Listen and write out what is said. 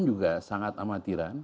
juga sangat amatiran